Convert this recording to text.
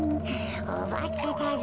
おばけだぞ。